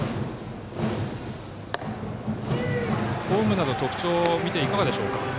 フォームなど特徴を見ていかがでしょうか？